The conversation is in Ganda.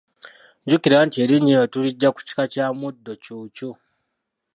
Jjukira nti erinnya eryo tuliggya ku kika kya muddo ccuucu.